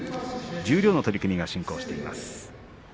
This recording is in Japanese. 十両の取組が進行しています。